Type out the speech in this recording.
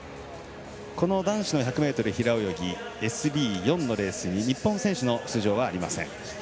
この男子の１００ｍ平泳ぎＳＢ４のレースに日本選手の出場はありません。